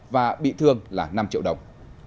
và bị thương là năm triệu đồng